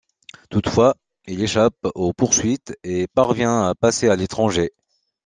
Toutefois, il échappe aux poursuites et parvient à passer à l'étranger.